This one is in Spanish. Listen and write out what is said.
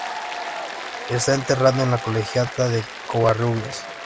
Está enterrado en la colegiata de Covarrubias.